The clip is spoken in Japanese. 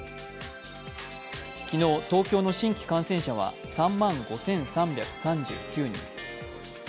昨日、東京の新規感染者は３万５３３９人。